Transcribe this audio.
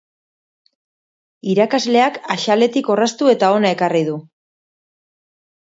Irakasleak axaletik orraztu eta hona ekarri du.